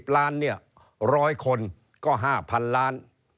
ล้านเนี่ย๑๐๐คนก็๕๐๐๐ล้าน